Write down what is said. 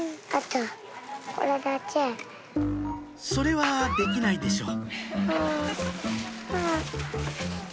それはできないでしょ